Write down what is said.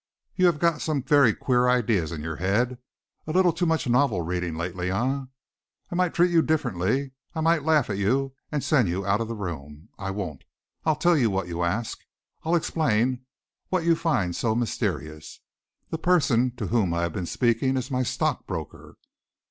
You have got some very queer ideas into your head. A little too much novel reading lately, eh? I might treat you differently. I might laugh at you and send you out of the room. I won't. I'll tell you what you ask. I'll explain what you find so mysterious. The person to whom I have been speaking is my stockbroker."